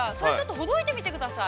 ほどいてみてください。